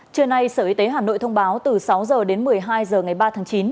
trưa nay sở y tế hà nội thông báo từ sáu h đến một mươi hai h ngày ba tháng chín